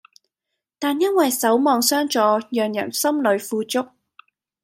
但因為守望相助讓人心裏富足